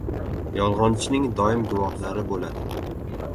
• Yolg‘onchining doim guvohlari bo‘ladi.